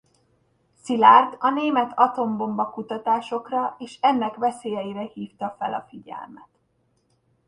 Szilárd a német atombomba-kutatásokra és ennek veszélyeire hívta fel a figyelmet.